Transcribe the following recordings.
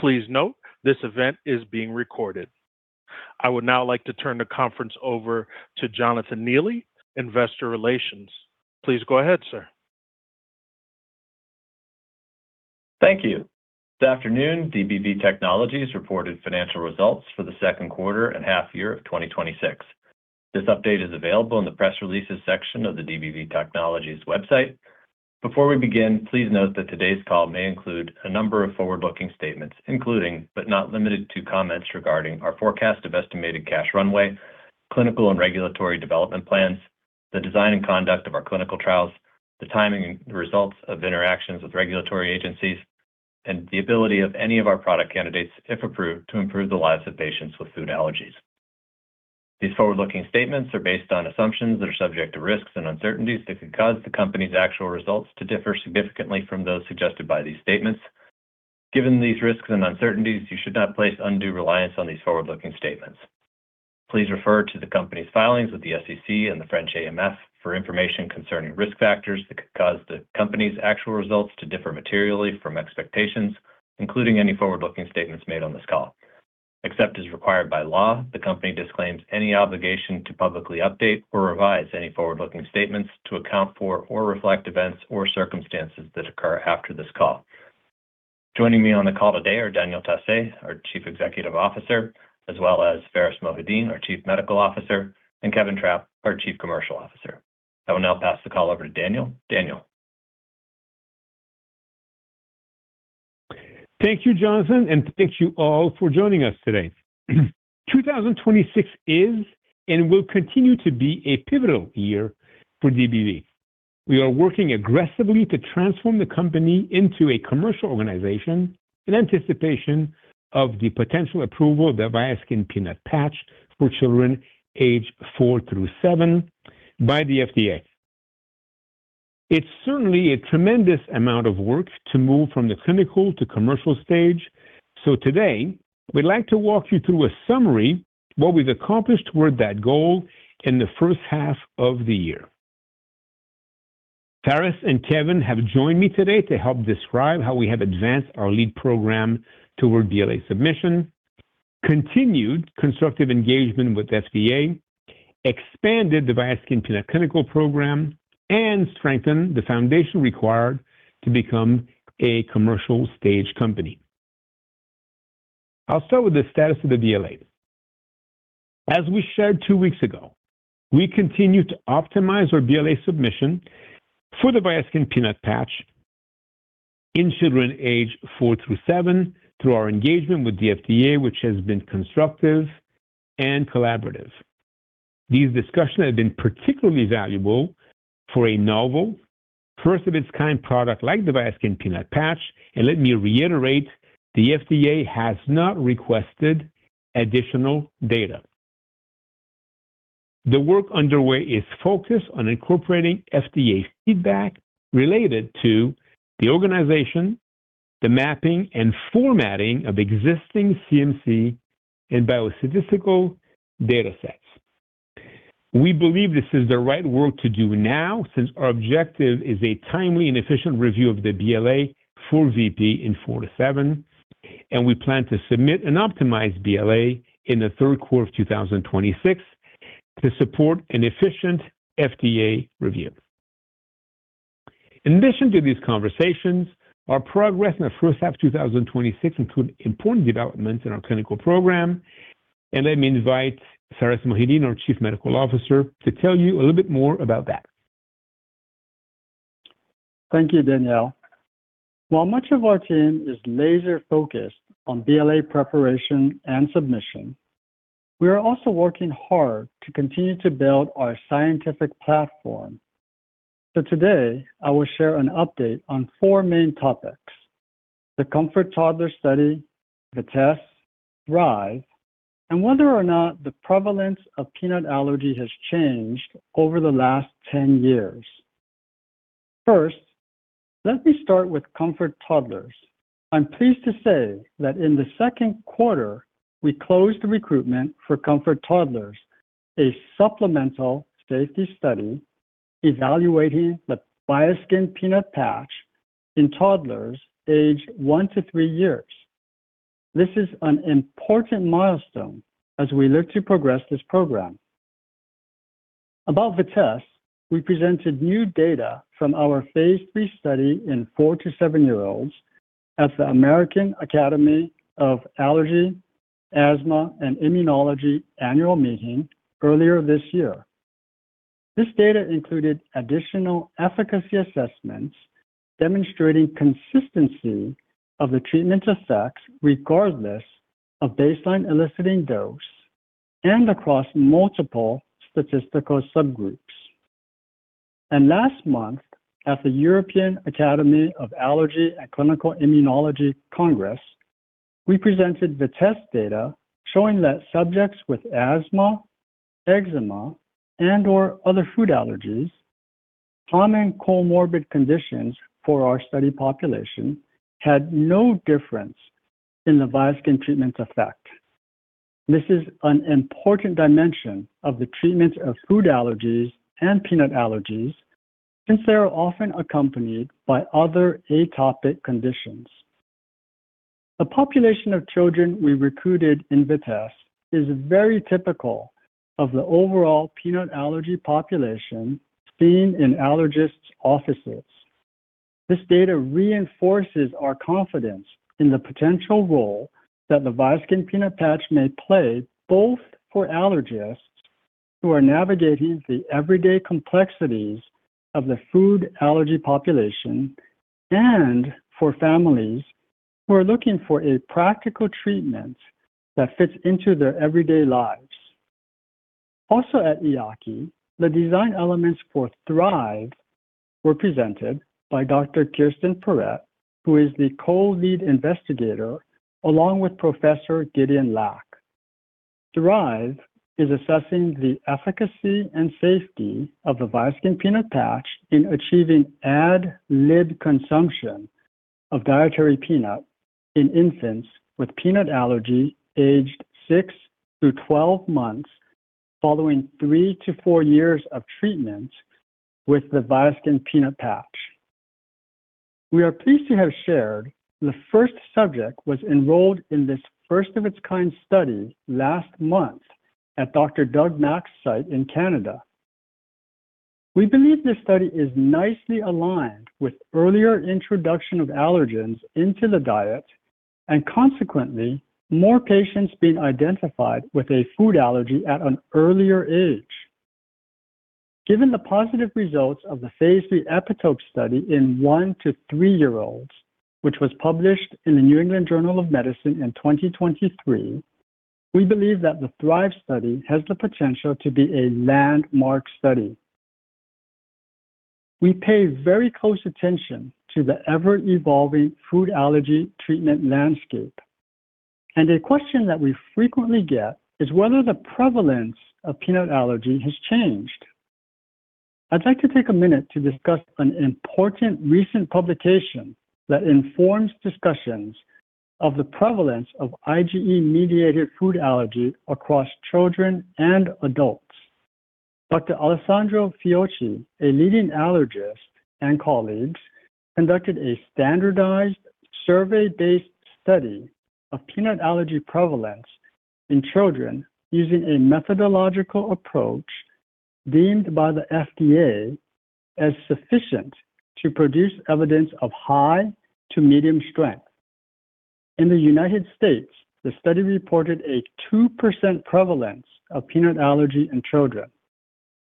Please note this event is being recorded. I would now like to turn the conference over to Jonathan Neely, Investor Relations. Please go ahead, sir. Thank you. This afternoon, DBV Technologies reported financial results for the second quarter and half year of 2026. This update is available in the press releases section of the DBV Technologies website. Before we begin, please note that today's call may include a number of forward-looking statements, including but not limited to comments regarding our forecast of estimated cash runway, clinical and regulatory development plans, the design and conduct of our clinical trials, the timing and results of interactions with regulatory agencies, and the ability of any of our product candidates, if approved, to improve the lives of patients with food allergies. These forward-looking statements are based on assumptions that are subject to risks and uncertainties that could cause the company's actual results to differ significantly from those suggested by these statements. Given these risks and uncertainties, you should not place undue reliance on these forward-looking statements. Please refer to the company's filings with the SEC and the French AMF for information concerning risk factors that could cause the company's actual results to differ materially from expectations, including any forward-looking statements made on this call. Except as required by law, the company disclaims any obligation to publicly update or revise any forward-looking statements to account for or reflect events or circumstances that occur after this call. Joining me on the call today are Daniel Tassé, our Chief Executive Officer, as well as Pharis Mohideen, our Chief Medical Officer, and Kevin Trapp, our Chief Commercial Officer. I will now pass the call over to Daniel. Daniel. Thank you, Jonathan, and thank you all for joining us today. 2026 is and will continue to be a pivotal year for DBV. We are working aggressively to transform the company into a commercial organization in anticipation of the potential approval of the VIASKIN Peanut Patch for children aged four through seven by the FDA. It's certainly a tremendous amount of work to move from the clinical to commercial stage. Today, we'd like to walk you through a summary what we've accomplished toward that goal in the first half of the year. Pharis and Kevin have joined me today to help describe how we have advanced our lead program toward BLA submission, continued constructive engagement with FDA, expanded the VIASKIN Peanut clinical program, and strengthened the foundation required to become a commercial stage company. I'll start with the status of the BLA. As we shared two weeks ago, we continue to optimize our BLA submission for the VIASKIN Peanut Patch in children aged four through seven through our engagement with the FDA, which has been constructive and collaborative. These discussions have been particularly valuable for a novel, first of its kind product like the VIASKIN Peanut Patch. Let me reiterate, the FDA has not requested additional data. The work underway is focused on incorporating FDA feedback related to the organization, the mapping, and formatting of existing CMC and biostatistical data sets. We believe this is the right work to do now, since our objective is a timely and efficient review of the BLA for VP in four to seven, and we plan to submit an optimized BLA in the third quarter of 2026 to support an efficient FDA review. In addition to these conversations, our progress in the first half 2026 include important developments in our clinical program. Let me invite Pharis Mohideen, our Chief Medical Officer, to tell you a little bit more about that. Thank you, Daniel. While much of our team is laser-focused on BLA preparation and submission, we are also working hard to continue to build our scientific platform. Today, I will share an update on four main topics: the COMFORT Toddlers study, the test, THRIVE, and whether or not the prevalence of peanut allergy has changed over the last 10 years. First, let me start with COMFORT Toddlers. I am pleased to say that in the second quarter, we closed recruitment for COMFORT Toddlers, a supplemental safety study evaluating the VIASKIN Peanut Patch in toddlers aged one to three years. This is an important milestone as we look to progress this program. About VITESSE, we presented new data from our phase III study in four to seven-year-olds at the American Academy of Allergy, Asthma & Immunology annual meeting earlier this year. This data included additional efficacy assessments demonstrating consistency of the treatment effects regardless of baseline eliciting dose and across multiple statistical subgroups. Last month, at the European Academy of Allergy and Clinical Immunology Congress, we presented VITESSE data showing that subjects with asthma, eczema, and or other food allergies, common comorbid conditions for our study population, had no difference in the VIASKIN treatment effect. This is an important dimension of the treatment of food allergies and peanut allergies since they are often accompanied by other atopic conditions. The population of children we recruited in VITESSE is very typical of the overall peanut allergy population seen in allergists' offices. This data reinforces our confidence in the potential role that the VIASKIN Peanut Patch may play, both for allergists who are navigating the everyday complexities of the food allergy population and for families who are looking for a practical treatment that fits into their everyday lives. Also at EAACI, the design elements for THRIVE were presented by Dr. Kirsten Perrett, who is the co-lead investigator, along with Professor Gideon Lack. THRIVE is assessing the efficacy and safety of the VIASKIN Peanut Patch in achieving ad lib consumption of dietary peanut in infants with peanut allergy aged six through 12 months following three to four years of treatment with the VIASKIN Peanut Patch. We are pleased to have shared the first subject was enrolled in this first-of-its-kind study last month at Dr. Doug Mack's site in Canada. We believe this study is nicely aligned with earlier introduction of allergens into the diet. Consequently, more patients being identified with a food allergy at an earlier age. Given the positive results of the phase II EPITOPE study in one to three-year-olds, which was published in the New England Journal of Medicine in 2023, we believe that the THRIVE study has the potential to be a landmark study. We pay very close attention to the ever-evolving food allergy treatment landscape. A question that we frequently get is whether the prevalence of peanut allergy has changed. I'd like to take a minute to discuss an important recent publication that informs discussions of the prevalence of IgE-mediated food allergy across children and adults. Dr. Alessandro Fiocchi, a leading allergist, and colleagues, conducted a standardized survey-based study of peanut allergy prevalence in children using a methodological approach deemed by the FDA as sufficient to produce evidence of high to medium strength. In the U.S., the study reported a 2% prevalence of peanut allergy in children.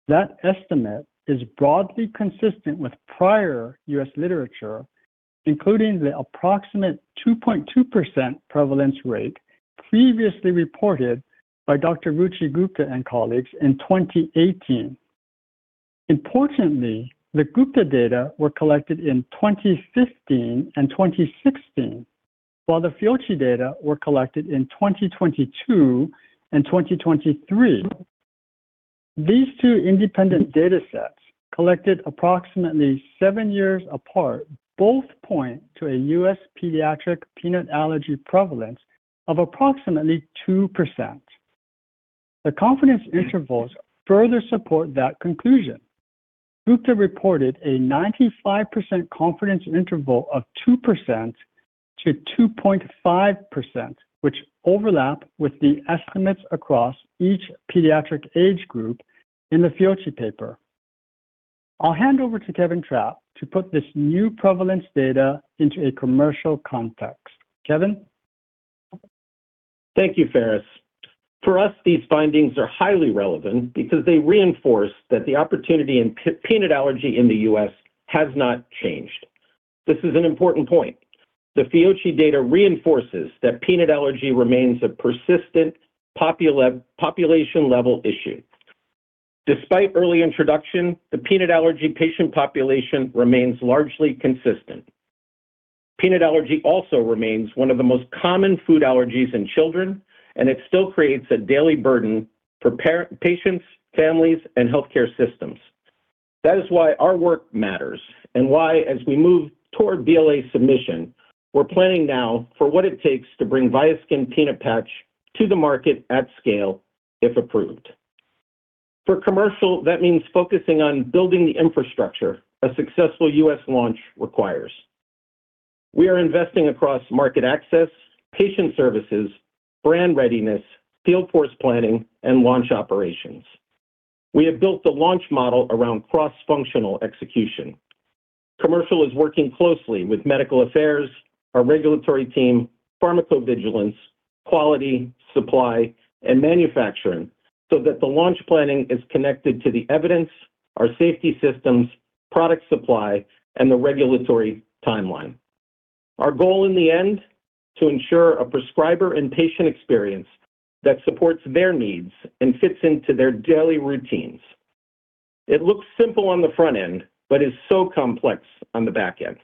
That estimate is broadly consistent with prior U.S. literature, including the approximate 2.2% prevalence rate previously reported by Dr. Ruchi Gupta and colleagues in 2018. Importantly, the Gupta data were collected in 2015 and 2016, while the Fiocchi data were collected in 2022 and 2023. These two independent data sets, collected approximately seven years apart, both point to a U.S. pediatric peanut allergy prevalence of approximately 2%. The confidence intervals further support that conclusion. Gupta reported a 95% confidence interval of 2%-2.5%, which overlap with the estimates across each pediatric age group in the Fiocchi paper. I'll hand over to Kevin Trapp to put this new prevalence data into a commercial context. Kevin? Thank you, Pharis. For us, these findings are highly relevant because they reinforce that the opportunity in peanut allergy in the U.S. has not changed. This is an important point. The Fiocchi data reinforces that peanut allergy remains a persistent population-level issue. Despite early introduction, the peanut allergy patient population remains largely consistent. Peanut allergy also remains one of the most common food allergies in children, and it still creates a daily burden for patients, families, and healthcare systems. That is why our work matters and why, as we move toward BLA submission, we're planning now for what it takes to bring VIASKIN Peanut Patch to the market at scale if approved. For commercial, that means focusing on building the infrastructure a successful U.S. launch requires. We are investing across market access, patient services, brand readiness, field force planning, and launch operations. We have built the launch model around cross-functional execution. Commercial is working closely with medical affairs, our regulatory team, pharmacovigilance, quality, supply, and manufacturing so that the launch planning is connected to the evidence, our safety systems, product supply, and the regulatory timeline. Our goal in the end, to ensure a prescriber and patient experience that supports their needs and fits into their daily routines. It looks simple on the front end but is so complex on the back end.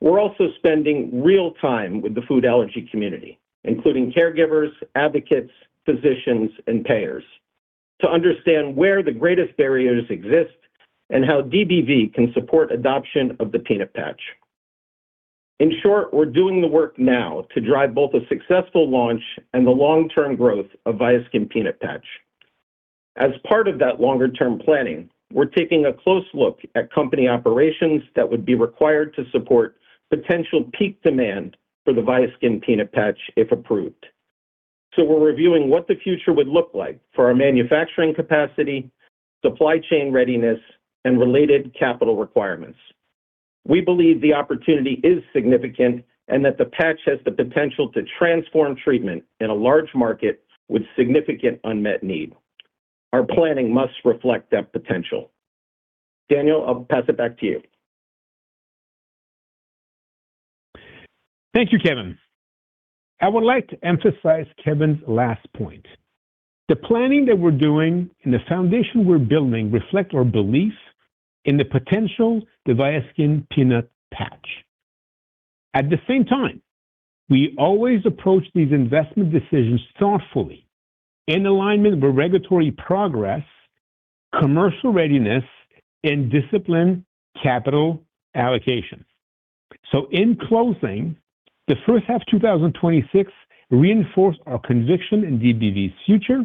We're also spending real time with the food allergy community, including caregivers, advocates, physicians, and payers to understand where the greatest barriers exist and how DBV can support adoption of the peanut patch. In short, we're doing the work now to drive both a successful launch and the long-term growth of VIASKIN Peanut Patch. As part of that longer-term planning, we're taking a close look at company operations that would be required to support potential peak demand for the VIASKIN Peanut Patch if approved. We're reviewing what the future would look like for our manufacturing capacity, supply chain readiness, and related capital requirements. We believe the opportunity is significant and that the patch has the potential to transform treatment in a large market with significant unmet need. Our planning must reflect that potential. Daniel, I'll pass it back to you. Thank you, Kevin. I would like to emphasize Kevin's last point. The planning that we're doing and the foundation we're building reflect our belief in the potential of the VIASKIN Peanut Patch. At the same time, we always approach these investment decisions thoughtfully in alignment with regulatory progress, commercial readiness, and disciplined capital allocation. In closing, the first half of 2026 reinforced our conviction in DBV's future.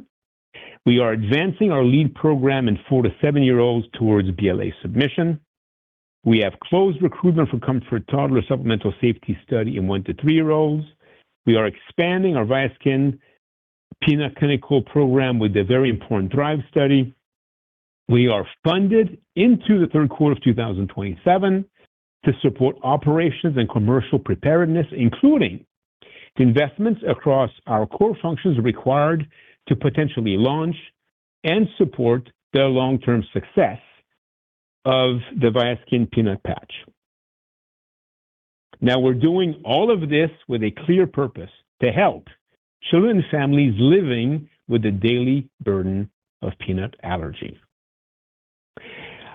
We are advancing our lead program in four to seven-year-olds towards BLA submission. We have closed recruitment for COMFORT Toddlers supplemental safety study in one to three-year-olds. We are expanding our VIASKIN Peanut clinical program with the very important THRIVE study. We are funded into the third quarter of 2027 to support operations and commercial preparedness, including investments across our core functions required to potentially launch and support the long-term success of the VIASKIN Peanut Patch. We're doing all of this with a clear purpose, to help children and families living with the daily burden of peanut allergy.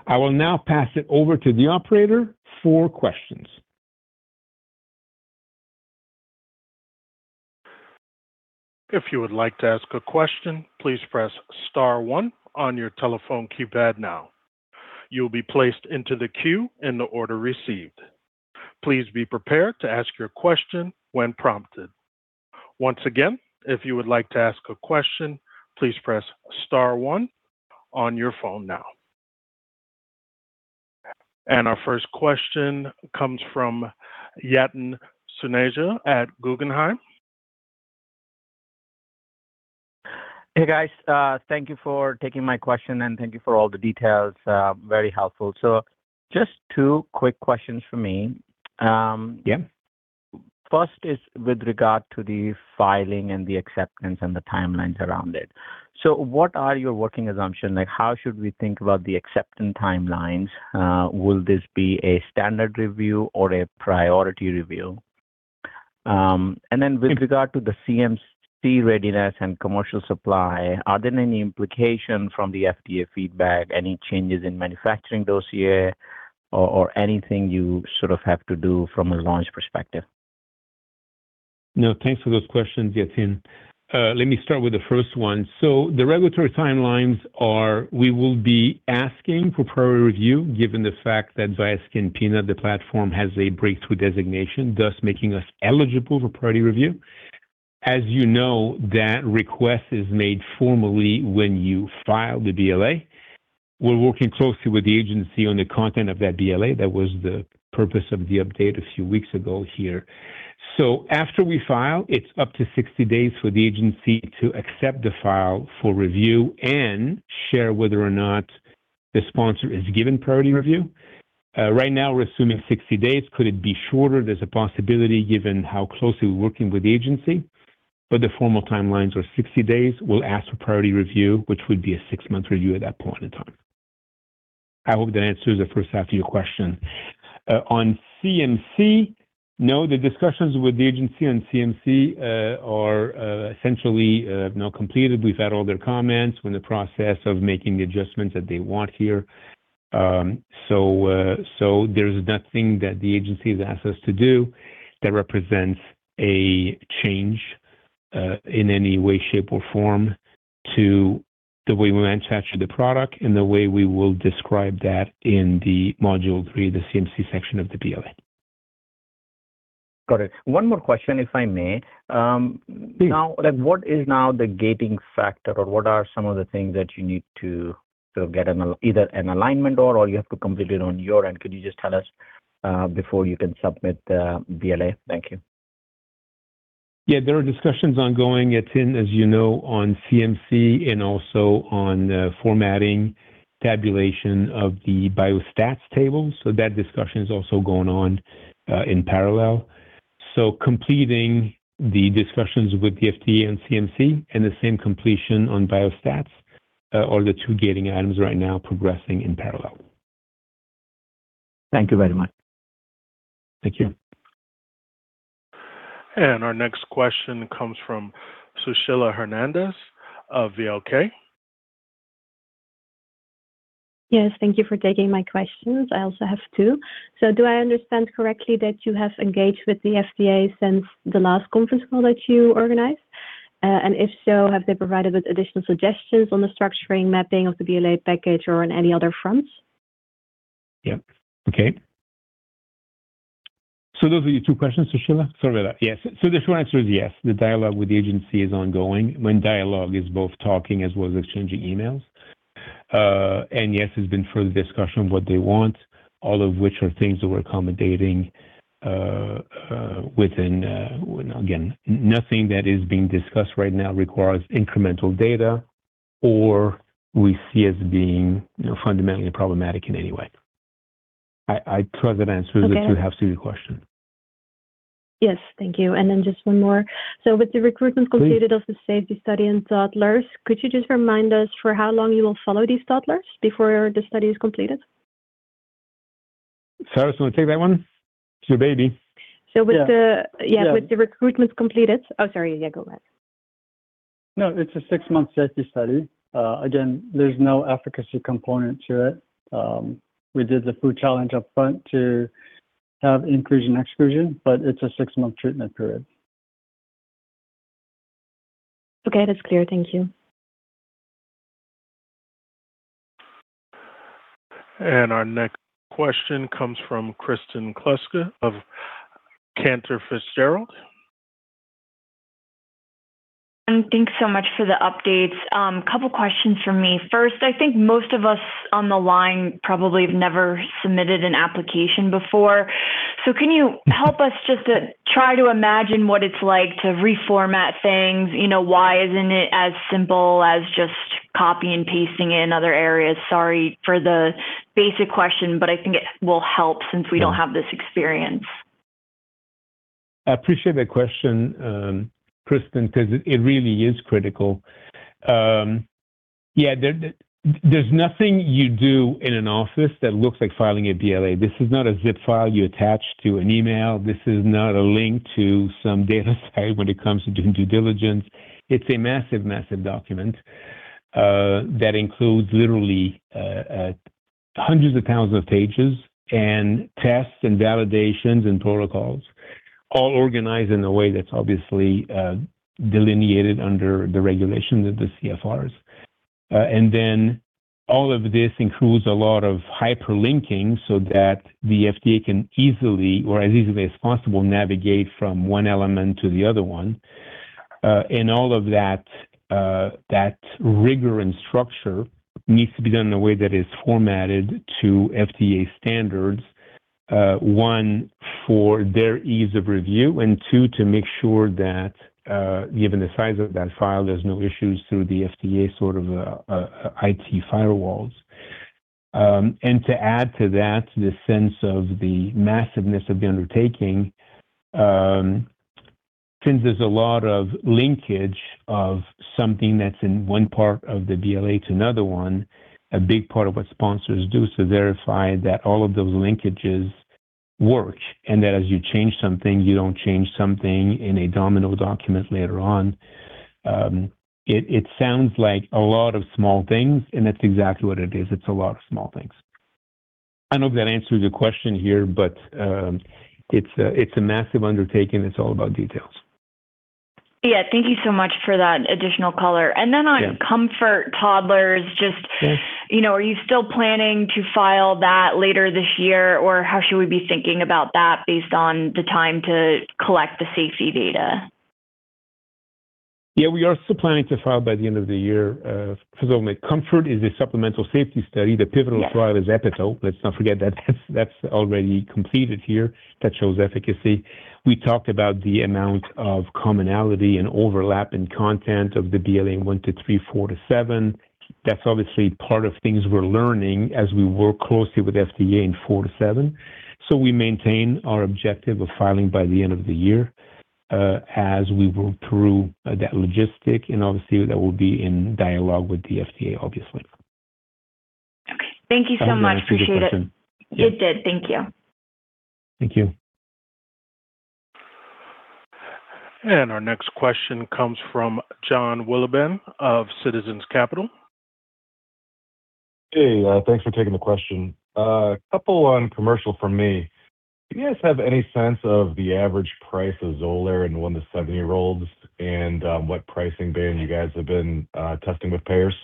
I will now pass it over to the operator for questions. If you would like to ask a question, please press star one on your telephone keypad now. You will be placed into the queue in the order received. Please be prepared to ask your question when prompted. Once again, if you would like to ask a question, please press star one on your phone now. Our first question comes from Yatin Suneja at Guggenheim. Hey, guys. Thank you for taking my question, thank you for all the details. Very helpful. Just two quick questions from me. Yeah. First is with regard to the filing and the acceptance and the timelines around it. What are your working assumptions? How should we think about the acceptance timelines? Will this be a standard review or a priority review? Then with regard to the CMC readiness and commercial supply, are there any implications from the FDA feedback, any changes in manufacturing dossier or anything you sort of have to do from a launch perspective? Thanks for those questions, Yatin. Let me start with the first one. The regulatory timelines are we will be asking for priority review given the fact that VIASKIN Peanut, the platform, has a breakthrough designation, thus making us eligible for priority review. As you know, that request is made formally when you file the BLA. We're working closely with the agency on the content of that BLA. That was the purpose of the update a few weeks ago here. After we file, it's up to 60 days for the agency to accept the file for review and share whether or not the sponsor is given priority review. Right now, we're assuming 60 days. Could it be shorter? There's a possibility given how closely we're working with the agency. But the formal timelines are 60 days. We'll ask for priority review, which would be a six-month review at that point in time. I hope that answers the first half of your question. On CMC, the discussions with the agency on CMC are essentially now completed. We've had all their comments. We're in the process of making the adjustments that they want here. There's nothing that the agency has asked us to do that represents a change in any way, shape, or form to the way we manufacture the product and the way we will describe that in the module three, the CMC section of the BLA. Got it. One more question, if I may. Please. What is now the gating factor or what are some of the things that you need to get either an alignment or you have to complete it on your end? Could you just tell us before you can submit the BLA? Thank you. There are discussions ongoing, Yatin, as you know, on CMC and also on formatting tabulation of the biostats table. That discussion is also going on in parallel. Completing the discussions with the FDA on CMC and the same completion on biostats are the two gating items right now progressing in parallel. Thank you very much. Thank you. Our next question comes from Sushila Hernandez of VLK. Yes. Thank you for taking my questions. I also have two. Do I understand correctly that you have engaged with the FDA since the last conference call that you organized? If so, have they provided with additional suggestions on the structuring, mapping of the BLA package or on any other fronts? Yep. Okay. Those are your two questions, Sushila? Sorry about that. Yes. The short answer is yes, the dialogue with the agency is ongoing when dialogue is both talking as well as exchanging emails. Yes, there's been further discussion of what they want, all of which are things that we're accommodating within, again, nothing that is being discussed right now requires incremental data, or we see as being fundamentally problematic in any way. I trust that answers the two halves of your question. Yes. Thank you. Then just one more. Please. With the recruitment completed of the safety study in toddlers, could you just remind us for how long you will follow these toddlers before the study is completed? Pharis, you want to take that one? It's your baby. Yeah. So with the- Yeah. Yeah, with the recruitment completed. Oh, sorry. Yeah, go ahead. No, it's a six-month safety study. Again, there's no efficacy component to it. We did the food challenge up front to have inclusion/exclusion, it's a six-month treatment period. Okay. That's clear. Thank you. Our next question comes from Kristen Kluska of Cantor Fitzgerald. Thanks so much for the updates. Couple questions from me. First, I think most of us on the line probably have never submitted an application before, can you help us just to try to imagine what it's like to reformat things? Why isn't it as simple as just copy and pasting in other areas? Sorry for the basic question, I think it will help since we don't have this experience. I appreciate that question, Kristen, because it really is critical. Yeah, there's nothing you do in an office that looks like filing a BLA. This is not a ZIP file you attach to an email. This is not a link to some data site when it comes to doing due diligence. It's a massive document that includes literally hundreds of thousands of pages and tests and validations and protocols, all organized in a way that's obviously delineated under the regulations of the CFRs. All of this includes a lot of hyperlinking so that the FDA can easily, or as easily as possible, navigate from one element to the other one. All of that rigor and structure needs to be done in a way that is formatted to FDA standards, one, for their ease of review, and two, to make sure that, given the size of that file, there's no issues through the FDA IT firewalls. To add to that, the sense of the massiveness of the undertaking, since there's a lot of linkage of something that's in one part of the BLA to another one, a big part of what sponsors do is to verify that all of those linkages work, and that as you change something, you don't change something in a domino document later on. It sounds like a lot of small things, and that's exactly what it is. It's a lot of small things. I don't know if that answers your question here, but it's a massive undertaking. It's all about details. Yeah. Thank you so much for that additional color. Yeah. On COMFORT Toddlers, Yes. Are you still planning to file that later this year, or how should we be thinking about that based on the time to collect the safety data? Yeah, we are still planning to file by the end of the year. Remember, COMFORT is a supplemental safety study. The pivotal- Yes. trial is EPITOPE. Let's not forget that that's already completed here. That shows efficacy. We talked about the amount of commonality and overlap in content of the BLA one to three, four to seven. That's obviously part of things we're learning as we work closely with FDA in four to seven. We maintain our objective of filing by the end of the year, as we work through that logistic. Obviously, that will be in dialogue with the FDA, obviously. Okay. Thank you so much. I hope that answered your question. Appreciate it. Yeah. It did. Thank you. Thank you. Our next question comes from Jon Wolleben of Citizens Capital. Hey, thanks for taking the question. A couple on commercial from me. Do you guys have any sense of the average price of Xolair in one-to-seven-year-olds and what pricing bin you guys have been testing with payers?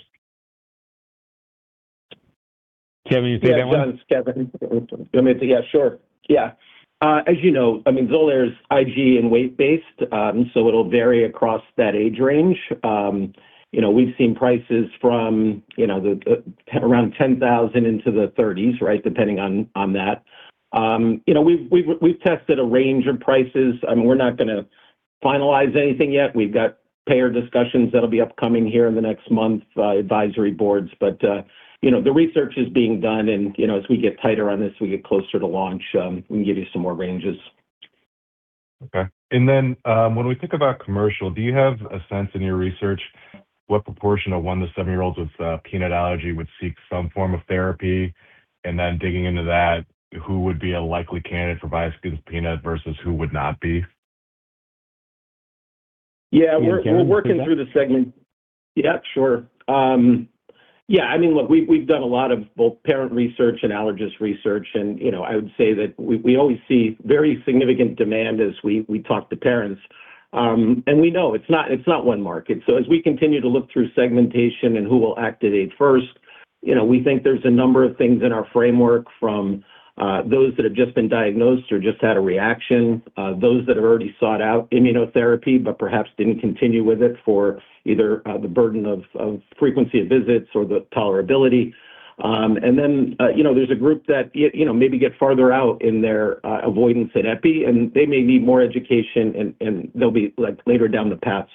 Kevin, you take that one? Yeah, Jon, it's Kevin. Yeah, sure. Yeah. As you know, Xolair is IgE and weight-based, so it'll vary across that age range. We've seen prices from around 10,000 into the EUR 30,000s, right, depending on that. We've tested a range of prices. We're not going to finalize anything yet. We've got payer discussions that'll be upcoming here in the next month, advisory boards. The research is being done, and as we get tighter on this, we get closer to launch, we can give you some more ranges. Okay. When we think about commercial, do you have a sense in your research what proportion of one-to-seven-year-olds with peanut allergy would seek some form of therapy? Digging into that, who would be a likely candidate for VIASKIN Peanut versus who would not be? Any guidance on that? Yeah. We're working through the segment. Yeah, sure. Yeah. Look, we've done a lot of both parent research and allergist research. I would say that we always see very significant demand as we talk to parents. We know it's not one market. As we continue to look through segmentation and who will activate first, we think there's a number of things in our framework from those that have just been diagnosed or just had a reaction, those that have already sought out immunotherapy but perhaps didn't continue with it for either the burden of frequency of visits or the tolerability. Then there's a group that maybe get farther out in their avoidance at epi, and they may need more education, and they'll be later down the path.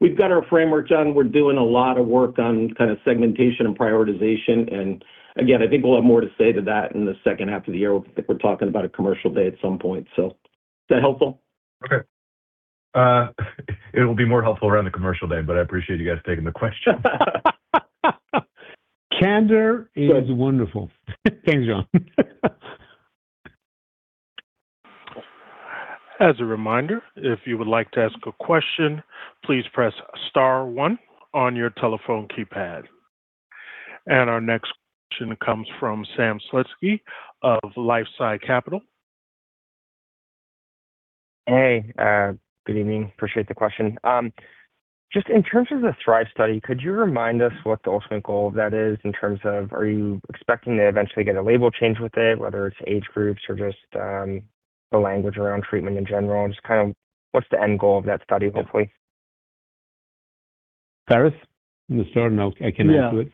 We've got our framework, Jon. We're doing a lot of work on kind of segmentation and prioritization. Again, I think we'll have more to say to that in the second half of the year if we're talking about a commercial day at some point. Is that helpful? Okay. It'll be more helpful around the commercial day. I appreciate you guys taking the question. Candor is wonderful. Thanks, Jon. As a reminder, if you would like to ask a question, please press star one on your telephone keypad. Our next question comes from Sam Slutsky of LifeSci Capital. Hey, good evening. Appreciate the question. Just in terms of the THRIVE study, could you remind us what the ultimate goal of that is in terms of are you expecting to eventually get a label change with it, whether it's age groups or just the language around treatment in general? Just what's the end goal of that study, hopefully? Pharis? I can add to it.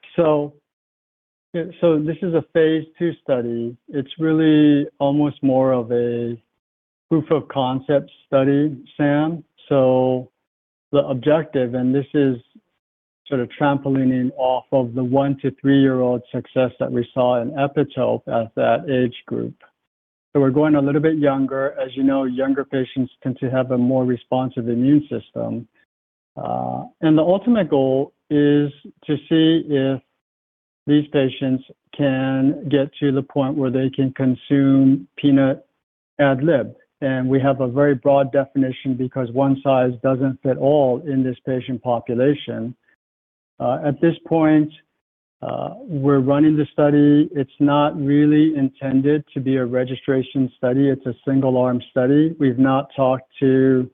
Yeah. This is a phase II study. It's really almost more of a proof of concept study, Sam. The objective, and this is sort of trampolining off of the one-to-three-year-old success that we saw in EPITOPE at that age group. We're going a little bit younger. As you know, younger patients tend to have a more responsive immune system. The ultimate goal is to see if these patients can get to the point where they can consume peanut ad lib. We have a very broad definition because one size doesn't fit all in this patient population. At this point, we're running the study. It's not really intended to be a registration study. It's a single-arm study. We've not talked to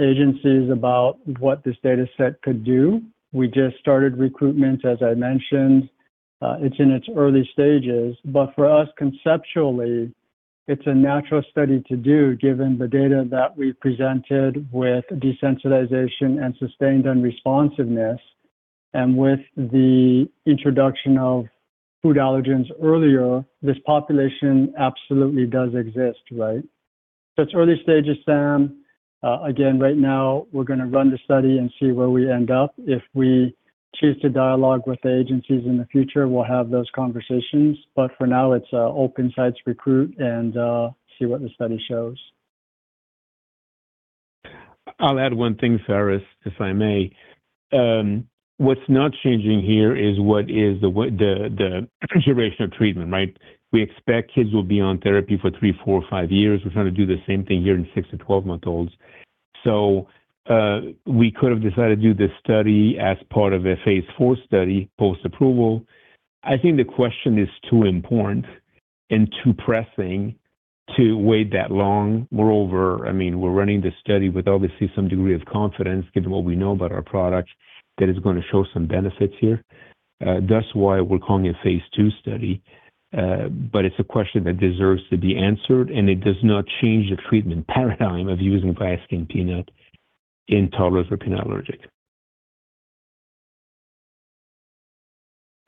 agencies about what this data set could do. We just started recruitment, as I mentioned. It's in its early stages. For us, conceptually, it's a natural study to do given the data that we presented with desensitization and sustained unresponsiveness. With the introduction of food allergens earlier, this population absolutely does exist, right? It's early stages, Sam. Again, right now we're going to run the study and see where we end up. If we choose to dialogue with the agencies in the future, we'll have those conversations, but for now, it's open sites recruit and see what the study shows. I'll add one thing, Sam, if I may. What's not changing here is the duration of treatment, right? We expect kids will be on therapy for three, four, five years. We're trying to do the same thing here in 6-12-month-olds. We could have decided to do this study as part of a phase IV study post-approval. I think the question is too important and too pressing to wait that long. Moreover, we're running this study with obviously some degree of confidence given what we know about our product that is going to show some benefits here. That's why we're calling it a phase II study. It's a question that deserves to be answered, and it does not change the treatment paradigm of using VIASKIN Peanut in toddlers with peanut allergic.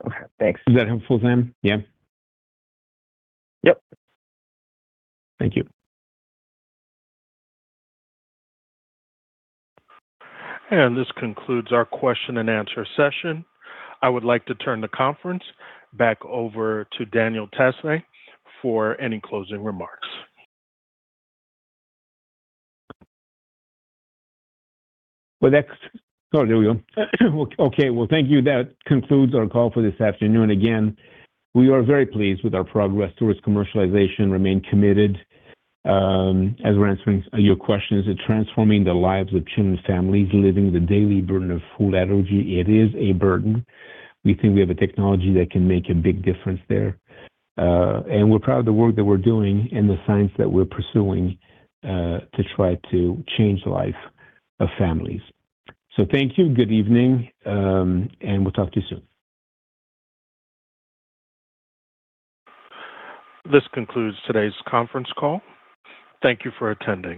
Okay, thanks. Is that helpful, Sam? Yeah. Yep. Thank you. This concludes our question and answer session. I would like to turn the conference back over to Daniel Tassé for any closing remarks. Well, next. Oh, there we go. Okay. Well, thank you. That concludes our call for this afternoon. Again, we are very pleased with our progress towards commercialization, remain committed, as we're answering your questions, at transforming the lives of children and families living the daily burden of food allergy. It is a burden. We think we have a technology that can make a big difference there. We're proud of the work that we're doing and the science that we're pursuing to try to change the life of families. Thank you. Good evening, and we'll talk to you soon. This concludes today's conference call. Thank you for attending.